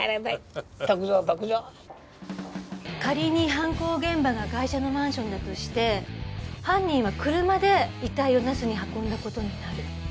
仮に犯行現場がガイシャのマンションだとして犯人は車で遺体を那須に運んだ事になる。